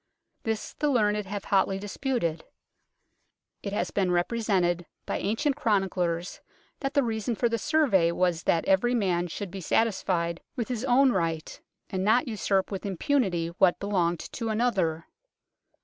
This the learned have hotly disputed. It has been repre sented by ancient chroniclers that the reason for the Survey was that every man should be satisfied with his own right, and not usurp with impunity what belonged to another.